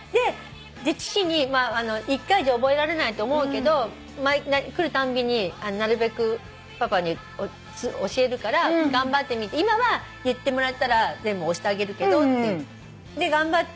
父に１回じゃ覚えられないと思うけど来るたんびになるべくパパに教えるから頑張ってみて今は言ってもらったら全部押してあげるけどって。